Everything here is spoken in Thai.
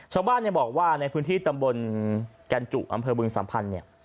ชาวบ้านบอกว่าในพื้นที่ตำบลกันจุอำเภอบึงสัมพันธ์เนี่ย